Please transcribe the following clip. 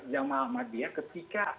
jamal ahmadiyah ketika